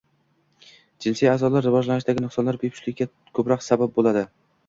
Jinsiy a’zolar rivojlanishidagi nuqsonlar bepushtlikka ko‘proq sabab bo‘ladi.